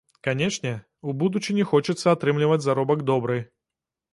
Канечне, у будучыні хочацца атрымліваць заробак добры.